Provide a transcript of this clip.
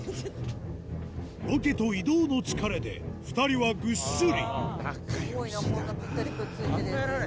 ロケと移動の疲れで２人はぐっすり仲良しだな。